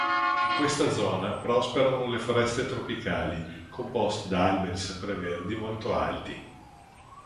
In questa zona prosperano le foreste tropicali composte da alberi sempreverdi molto alti.